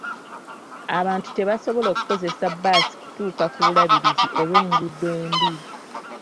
Abantu tebasobola kukozesa bbaasi kutuuka ku bulabirizi olw'enguudo embi .